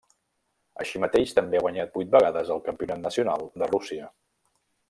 Així mateix també ha guanyat vuit vegades el campionat nacional de Rússia.